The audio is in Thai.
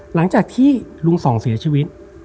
หลังจากที่ลุงส่องเสียชีวิต